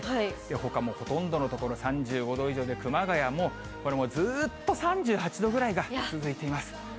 ほかもほとんどの所３５度以上で、熊谷も、これもずっと３８度ぐらいが続いています。